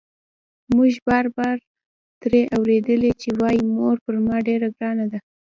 موږ بار بار ترې اورېدلي چې وايي مور پر ما ډېره ګرانه ده.